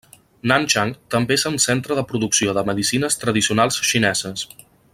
Nanchang també és un centre de producció de medicines tradicionals xineses.